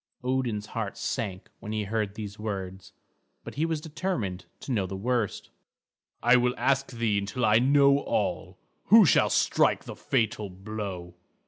Odin's heart sank when he heard these words; but he was determined to know the worst. "I will ask thee until I know all. Who shall strike the fatal blow?"